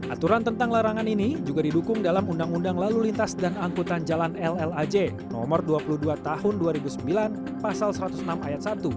aturan tentang larangan ini juga didukung dalam undang undang lalu lintas dan angkutan jalan ll aj no dua puluh dua tahun dua ribu sembilan pasal satu ratus enam ayat satu